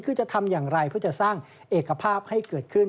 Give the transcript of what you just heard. คือจะทำอย่างไรเพื่อจะสร้างเอกภาพให้เกิดขึ้น